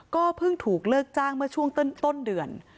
ก็เพิ่งถูกเลิกจ้างเมื่อช่วงต้นเดือน